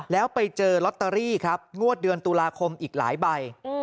แล้วไปเจอลอตเตอรี่ครับงวดเดือนตุลาคมอีกหลายใบ